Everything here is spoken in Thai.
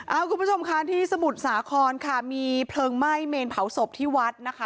เอาคุณผู้ชมค่ะที่สมุทรสาครค่ะมีเพลิงไหม้เมนเผาศพที่วัดนะคะ